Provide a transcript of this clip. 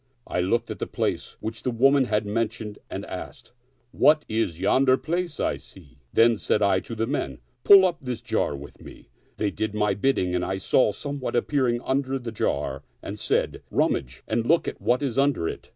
I looked at the place which the woman had mentioned and asked, "What is yonder dark place I see?" Then said I to the men, " Pull up this jar with me." They did my bid ding and I saw somewhat appearing under the jar and said, " Rummage and look at what is under it."